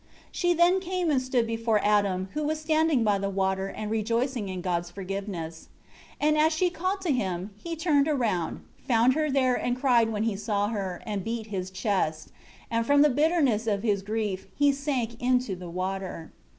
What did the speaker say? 10 She then came and stood before Adam, who was standing by the water and rejoicing in God's forgiveness. 11 And as she called to him, he turned around, found her there and cried when he saw her, and beat his chest; and from the bitterness of his grief, he sank into the water.